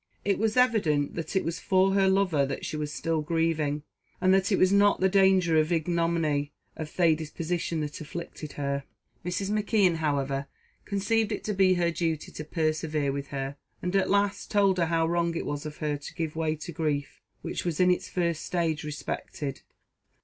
It was evident that it was for her lover that she was still grieving, and that it was not the danger or ignominy of Thady's position that afflicted her. Mrs. McKeon, however, conceived it to be her duty to persevere with her and, at last, told her how wrong it was of her to give way to a grief, which was in its first stage respected.